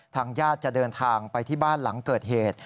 ทางญาติจะเดินทางไปที่บ้านหลังเกิดเหตุ